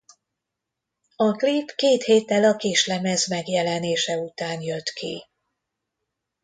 A klip két héttel a kislemez megjelenése után jött ki.